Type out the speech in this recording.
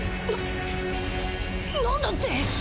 な何だって！？